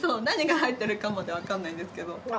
何が入ってるかまではわかんないんですけど。